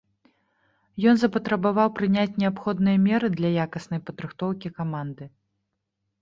Ён запатрабаваў прыняць неабходныя меры для якаснай падрыхтоўкі каманды.